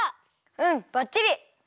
うんばっちり！